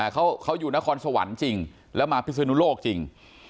เขาอยู่นครสวรรค์จริงแล้วมาพิศนุโลกจริง